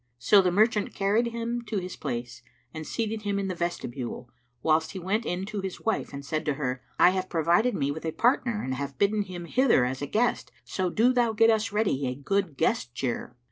So the merchant carried him to his place and seated him in the vestibule, whilst he went in to his wife and said to her, "I have provided me with a partner and have bidden him hither as a guest; so do thou get us ready good guest cheer."